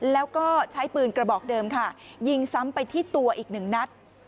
แล้วก็ใช้ปืนกระบอกเดิมค่ะยิงซ้ำไปที่ตัวอีกหนึ่งนัด